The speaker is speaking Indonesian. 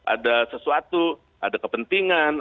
ada sesuatu ada kepentingan